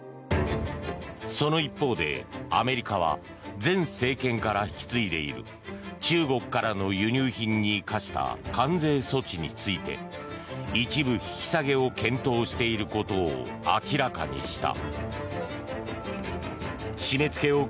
その一方でアメリカは前政権から引き継いでいる中国からの輸入品に課した関税措置について一部引き下げを検討していることを明らかにした。